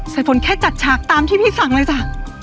สายฝนแค่จัดฉากตามที่พี่สั่งเลยจ้ะ